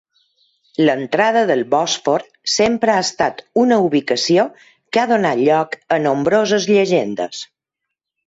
L'entrada del Bòsfor sempre ha estat una ubicació que ha donat lloc a nombroses llegendes.